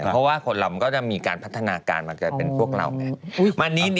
เพราะว่าคนเรามันก็จะมีการพัฒนาการมาเกิดเป็นพวกเราไง